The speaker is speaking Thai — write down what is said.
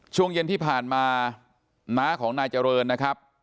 ช่วงเย็นที่ผ่านมาน้าของนายเจริญนะครับ